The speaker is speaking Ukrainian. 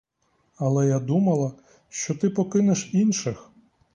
Але я думала, що ти покинеш інших.